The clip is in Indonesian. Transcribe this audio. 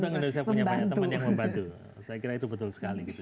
indonesia punya banyak teman yang membantu saya kira itu betul sekali gitu